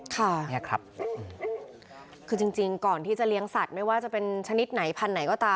ค่ะเนี่ยครับคือจริงก่อนที่จะเลี้ยงสัตว์ไม่ว่าจะเป็นชนิดไหนพันธุ์ไหนก็ตาม